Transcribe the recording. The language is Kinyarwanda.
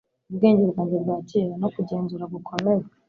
ubwenge bwanjye bwa kera, no kugenzura gukomeye